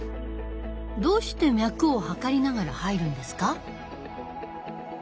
どうして脈を測りながら入るんですか？